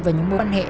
với những mối quan hệ